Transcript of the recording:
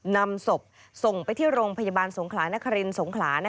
นำศพส่งไปที่โรงพยาบาลสงขลานครินสงขลา